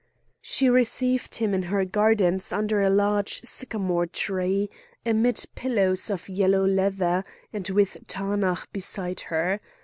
She received him in her gardens under a large sycamore tree, amid pillows of yellow leather, and with Taanach beside her.